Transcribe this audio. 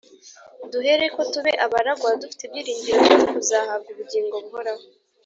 duhereko tube abaragwa, dufite ibyiringiro byo kuzahabwa ubugingo buhoraho.